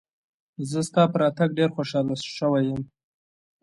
زه ستا په راتګ ډېر خوشاله شوی یم.